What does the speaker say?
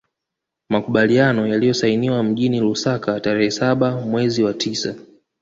Makubaliano yaliyosainiwa mjini Lusaka tarehe saba mewrezi wa tisa